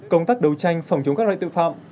công tác đấu tranh phòng chống các loại tội phạm